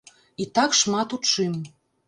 І так шмат у чым.